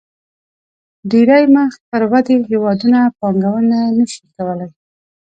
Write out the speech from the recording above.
ډېری مخ پر ودې هېوادونه پانګونه نه شي کولای.